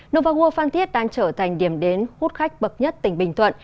novagua phan thiết đang trở thành điểm đến hút khách bậc nhất tỉnh bình thuận